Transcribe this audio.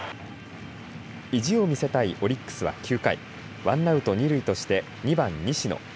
意地を見せたいオリックスは９回ワンアウト二塁として２番、西野。